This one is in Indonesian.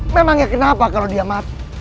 memangnya kenapa kalau dia mati